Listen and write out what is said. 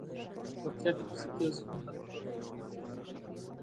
روغتیا د فزیکي او ذهني حالت توازن ته اړتیا لري.